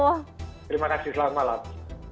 terima kasih selamat malam